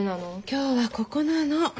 今日はここなの。